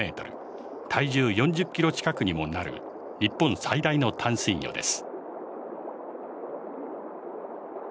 体重４０キロ近くにもなる日本最大の淡水魚です。